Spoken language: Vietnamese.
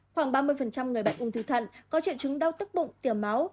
khoảng ba mươi người bệnh ung thư thận có triệu chứng đau tức bụng tiểu máu